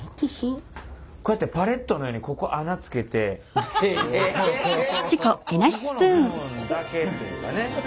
こうやってパレットのようにここここの部分だけというかね。